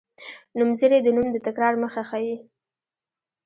نومځری د نوم د تکرار مخه ښيي.